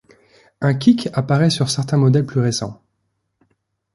Un kick apparait sur certain modèles plus récents.